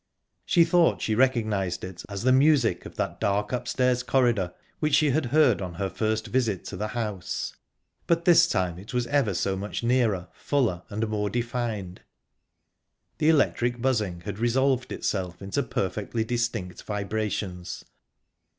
She thought she recognised it as the must of that dark upstairs corridor, which she had heard on her first visit to the house. But this time it was ever so much nearer, fuller, and more defined; the electric buzzing had resolved itself into perfectly distinct vibrations...